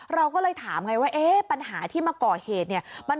เราก็เลยถามไงว่าเอ๊ะปัญหาที่มาก่อเหตุเนี่ย